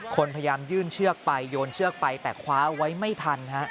พยายามยื่นเชือกไปโยนเชือกไปแต่คว้าเอาไว้ไม่ทันฮะ